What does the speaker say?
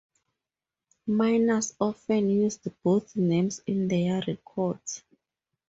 Miners often used both names in their records.